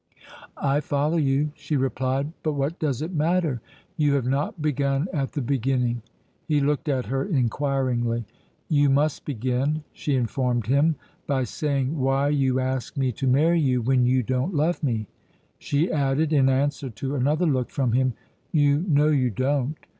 "I follow you," she replied; "but what does it matter? You have not begun at the beginning." He looked at her inquiringly. "You must begin," she informed him, "by saying why you ask me to marry you when you don't love me." She added, in answer to another look from him: "You know you don't."